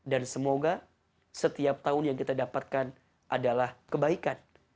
dan semoga setiap tahun yang kita dapatkan adalah kebaikan